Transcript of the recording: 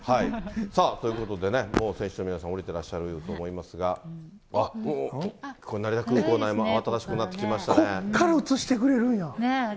さあ、ということでね、もう選手の皆さん、降りてらっしゃると思いますが、あっ、成田空港内もあわただしくここから映してくれるんや。